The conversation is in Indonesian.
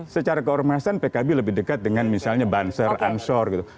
secara keormasan pkb lebih dekat dengan misalnya banser ansor gitu